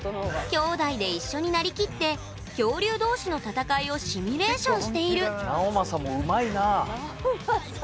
兄弟で一緒になりきって恐竜同士の戦いをシミュレーションしている直将もうまいって。